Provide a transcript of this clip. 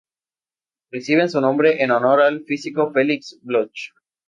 Reciben su nombre en honor al físico Felix Bloch.